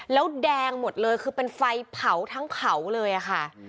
แล้วแดงหมดเลยคือเป็นไฟเผาทั้งเผาเลยค่ะ